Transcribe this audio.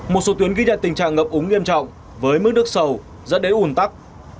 một số tuyến ghi nhận tình trạng ngập ống nghiêm trọng với mức nước sầu rất đến ủn tắc